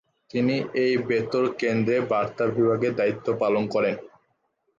তিনি এই বেতার কেন্দ্রে বার্তা বিভাগের দায়িত্ব পালন করেন।